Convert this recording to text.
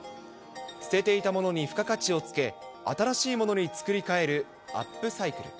捨てていたものに付加価値をつけ、新しいものに作り変えるアップサイクル。